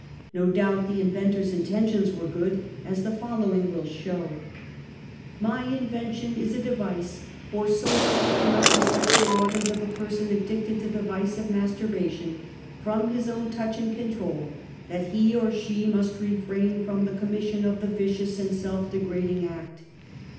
'No doubt the inventor's in tentions were good, as the following will show : "My invention is a device for so covering up the sexual organs of a person addicted to the vice of masturbation, from his own touch and control, that he or she must refrain from the commission of the vicious and self degrading act.